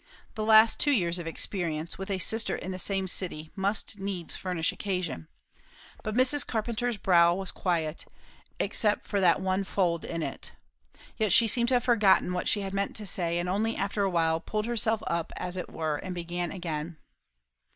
The last two years of experience, with a sister in the same city, must needs furnish occasion. But Mrs. Carpenter's brow was quiet, except for that one fold in it. Yet she seemed to have forgotten what she had meant to say, and only after a while pulled herself up, as it were, and began again.